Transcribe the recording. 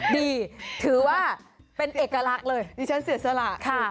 ดีถือว่าเป็นเอกลักษณ์เลยดิฉันเสียสละ